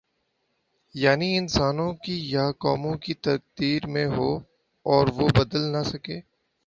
یعنی انسانوں کی یا قوموں کی تقدیر ہو اور وہ بدل نہ سکے۔